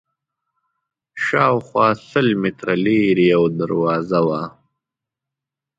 شاوخوا سل متره لرې یوه دروازه وه.